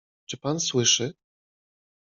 Czy pan słyszy…?